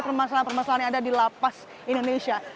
permasalahan permasalahan yang ada di lapas indonesia